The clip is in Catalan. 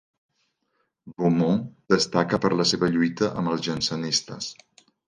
Beaumont destaca per la seva lluita amb els jansenistes.